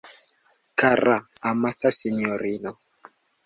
Kara, amata sinjorino!